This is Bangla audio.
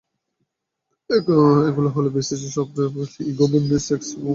এগুলো হলো BASIS soft expo, e-governance expo, mobile innovation expo এবং ই-কমার্স এক্সপো।